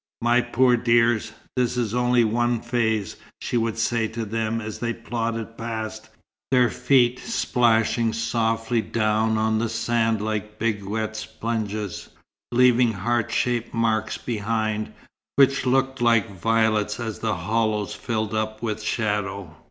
"My poor dears, this is only one phase," she would say to them as they plodded past, their feet splashing softly down on the sand like big wet sponges, leaving heart shaped marks behind, which looked like violets as the hollows filled up with shadow.